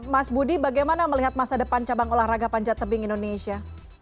mas budi bagaimana melihat masa depan cabang olahraga panjat tebing indonesia